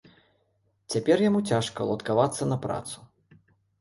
Цяпер яму цяжка уладкавацца на працу.